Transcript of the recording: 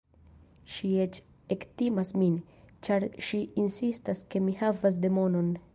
Ŝi eĉ ektimas min, ĉar ŝi insistas ke mi havas demonon.